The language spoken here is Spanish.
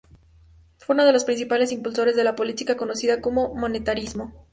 Fue uno de los principales impulsores de la política conocida como monetarismo.